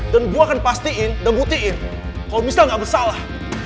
dan gue akan pastiin dan buktiin kalo michelle gak bersalah